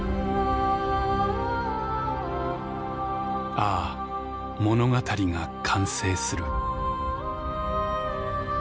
「ああ物語が完成する」。